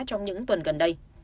trong những tuần gần đây